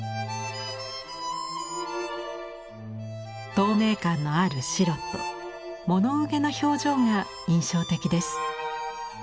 透明感のある白と物憂げな表情が印象的です。